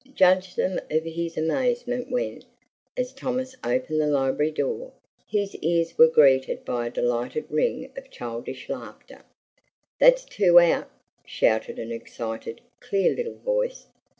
Judge then of his amazement when, as Thomas opened the library door, his ears were greeted by a delighted ring of childish laughter. "That's two out!" shouted an excited, clear little voice.